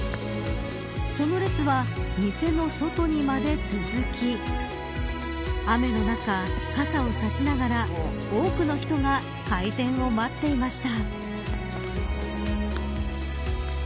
その列は店の外にまで続き雨の中、傘を差しながら多くの人が開店を待っていました。